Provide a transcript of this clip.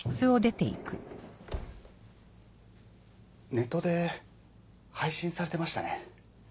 ネットで配信されてましたね。